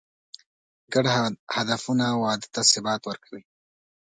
ګډ هدفونه واده ته ثبات ورکوي.